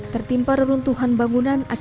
tertimpa reruntuhan bangunan akibat gondok